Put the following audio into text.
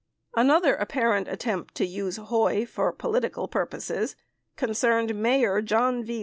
] 31 Another apparent attempt to use "Hoy" for political purposes con cerned Mayor John V.